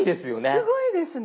すごいですよね。